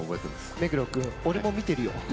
目黒君、俺も見てるよ。